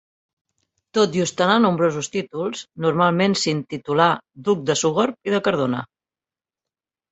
Tot i ostentar nombrosos títols, normalment s'intitulà duc de Sogorb i de Cardona.